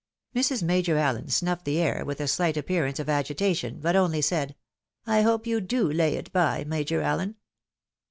Mrs. Major Allen snuffed the air with a slight appearance of agitation, but only said, " I hope you do lay it by. Major AUen."